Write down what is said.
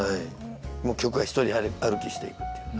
曲が独り歩きしていくっていう。